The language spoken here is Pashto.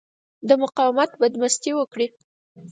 د مقاومت بدمستي وکړي.